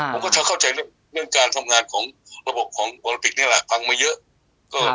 ผมก็จะเข้าใจเรื่องการทำงานของระบบของโอลิปิกนี่แหละพังมาเยอะ